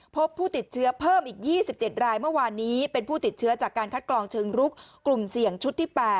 พบผู้ติดเชื้อเพิ่มอีก๒๗รายเมื่อวานนี้เป็นผู้ติดเชื้อจากการคัดกรองเชิงรุกกลุ่มเสี่ยงชุดที่๘